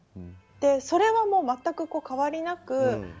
それは全く変わりなく。